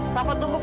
sabar tunggu fah